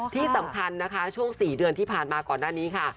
ที่สำคัญนะคะช่วง๔เดือนที่ผ่านมาก่อนหน้านี้ค่ะ